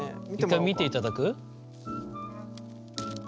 一回見ていただく？